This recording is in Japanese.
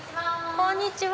こんにちは。